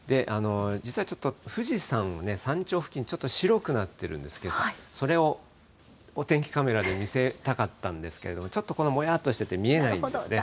実はちょっと富士山の山頂付近、ちょっと白くなっているんですけれども、それをお天気カメラで見せたかったんですけれども、ちょっとこのもやっとしてて見えないんですね。